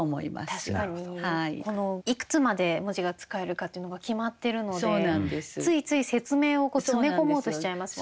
確かにいくつまで文字が使えるかというのが決まってるのでついつい説明を詰め込もうとしちゃいますもんね。